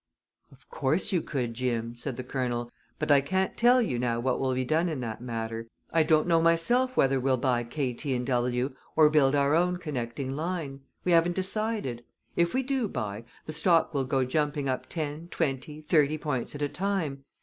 "Of course you could, Jim," said the Colonel, "but I can't tell you now what will be done in that matter. I don't know myself whether we'll buy K., T. & W. or build our own connecting line. We haven't decided. If we do buy, the stock will go jumping up ten, twenty, thirty points at a time.